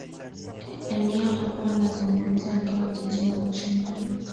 ania hapo anazungumuza akiwa jijini washington